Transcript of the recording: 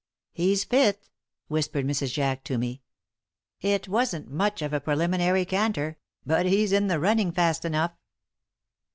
"He's fit!" whispered Mrs. Jack to me. "It wasn't much of a preliminary canter but he's in the running fast enough!"